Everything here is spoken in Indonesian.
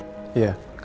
sedang tidak aktif